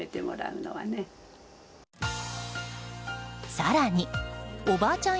更におばあちゃん